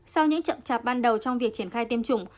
sau những chậm chạp ban đầu trong việc triển khai tiêm chủng